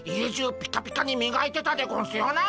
ピカピカにみがいてたゴンスよなっ。